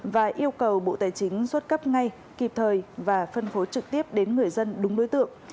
và yêu cầu bộ tài chính xuất cấp ngay kịp thời và phân phối trực tiếp đến người dân đúng đối tượng